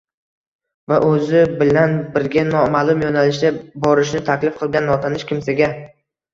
va o‘zi bilan birga nomaʼlum yo‘nalishda borishni taklif qilgan notanish kimsaga